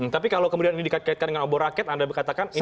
tapi kalau kemudian ini dikaitkan dengan obor rakyat anda berkatakan ini masih